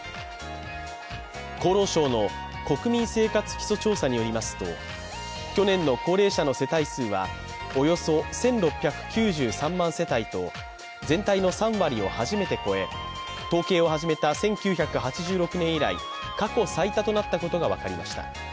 厚労省の国民生活基礎調査によりますと、去年の高齢者の世帯数はおよそ１６９３万世帯と全体の３割を初めて超え、統計を始めた１９８６年以来、過去最多となったことが分かりました。